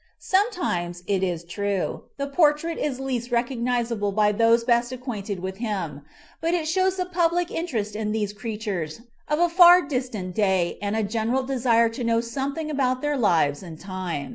Sometimes, it is true, the portrait is least recog nizable by those best acquainted with him, but it shows the public interest in these creatures of a far distant day and a general desire to know some thing about their lives and times.